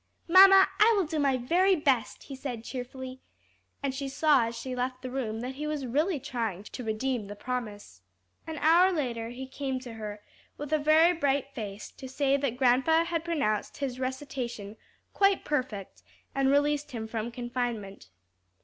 "Mamma, I will do my very best," he said cheerfully, and she saw as she left the room that he was really trying to redeem the promise. An hour later he came to her with a very bright face, to say that grandpa had pronounced his recitation quite perfect and released him from confinement.